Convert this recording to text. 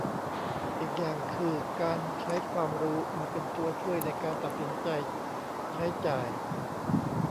อีกอย่างคือ การใช้ความรู้มาเป็นตัวช่วยในการตัดสินใจใช้จ่าย